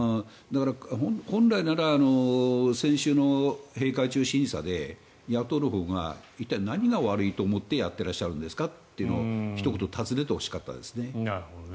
本来なら、先週の閉会中審査で野党のほうが一体何が悪いと思ってやってらっしゃるんですか？というのをひと言尋ねてほしかったですね。